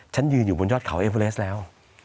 ยืนอยู่บนยอดเขาเอเวอเลสแล้ว